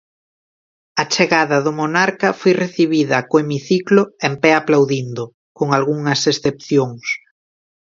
A chegada do Monarca foi recibida co hemiciclo en pé aplaudindo, con algunhas excepcións.